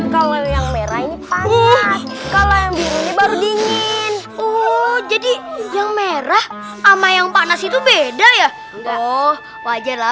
kalau yang merah ini baru dingin oh jadi yang merah ama yang panas itu beda ya oh wajarlah